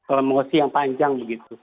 emosi yang panjang